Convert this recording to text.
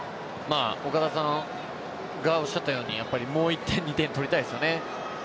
岡田さんがおっしゃったようにもう１点、２点取りたいですね。